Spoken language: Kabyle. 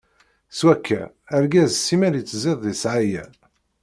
Swakka, argaz simmal ittzid di ssɛaya.